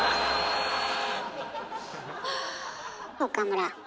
岡村。